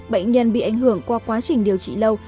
bệnh nhân bị ảnh hưởng qua quá trình điều trị lâu